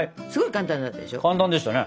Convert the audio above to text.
簡単でしたね。